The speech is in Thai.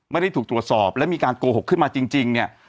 ไม่ได้ถูกตรวจสอบและมีการโกหกขึ้นมาจริงเนี่ย